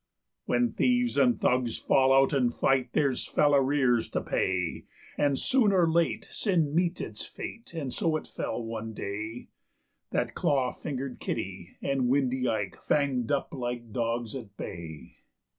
When thieves and thugs fall out and fight there's fell arrears to pay; And soon or late sin meets its fate, and so it fell one day That Claw fingered Kitty and Windy Ike fanged up like dogs at bay.